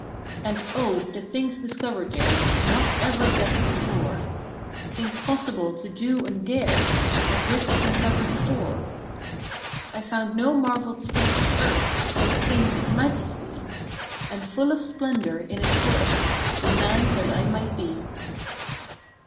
And, oh! the things discovered there Not ever guessed before! Things possible to do and dare A rich uncovered store. I found no marveled stretch of earth, But things of majesty And full of splendor in its worth, The Man that I Might Be!